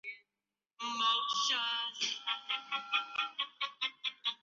奥尔德伊斯塔博加是位于美国阿拉巴马州塔拉迪加县的一个非建制地区。